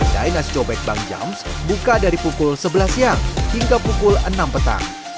kedai nasi cobek bang james buka dari pukul sebelas siang hingga pukul enam petang